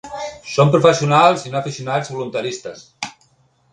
Som professionals i no aficionats voluntaristes.